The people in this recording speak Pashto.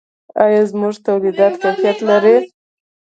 آیا زموږ تولیدات کیفیت لري؟